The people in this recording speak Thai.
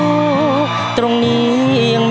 วันนี้ผมขอลาไปด้วยเพลงแทนคำขอบคุณครับ